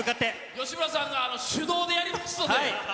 吉村さんが手動でやりますので。